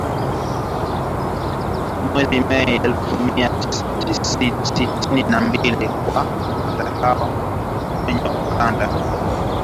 Mwezi Mei elfu mia tisa sitini na mbili kwa matangazo ya dakika thelathini ambayo yalikuwa yamerekodiwa kwenye ukanda